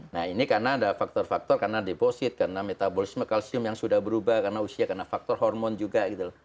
nah ini karena ada faktor faktor karena deposit karena metabolisme kalsium yang sudah berubah karena usia karena faktor hormon juga gitu loh